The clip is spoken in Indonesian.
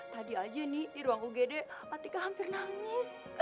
tadi aja nih di ruang ugt atika hampir nangis